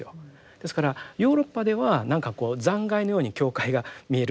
ですからヨーロッパでは何かこう残骸のように教会が見えるぐらいにですね